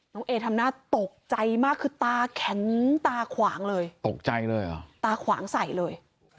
เอทำหน้าตกใจมากคือตาแข็งตาขวางเลยตกใจเลยเหรอตาขวางใส่เลย